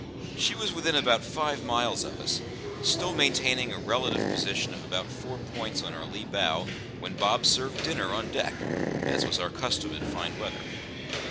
She was within about five miles of us, still maintaining her relative position of about four points on our lee bow, when Bob served dinner on deck, as was our custom in fine weather.